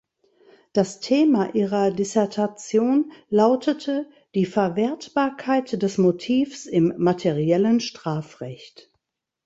Das Thema ihrer Dissertation lautete "Die Verwertbarkeit des Motivs im materiellen Strafrecht".